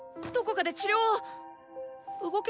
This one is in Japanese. どこかで治療を。